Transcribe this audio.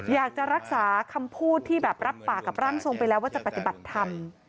อยากจะรักษาคำพูดที่แบบรับปากกับร่างทรงไปแล้วว่าจะปฏิบัติธรรม